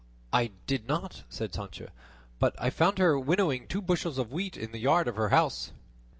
"I did not," said Sancho, "but I found her winnowing two bushels of wheat in the yard of her house."